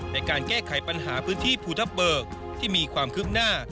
ในการแก้ไขปัญหาพื้นที่ภูทับเบิกที่มีความคืบหน้า